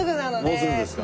もうすぐですか。